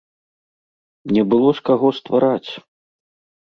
Не было з каго ствараць!